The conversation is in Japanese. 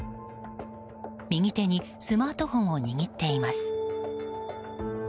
右手にスマートフォンを握っています。